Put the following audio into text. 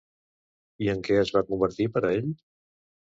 I en què es va convertir per a ell?